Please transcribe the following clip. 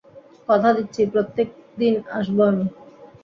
কথা দিচ্ছি, প্রত্যেকদিন আসবো আমি!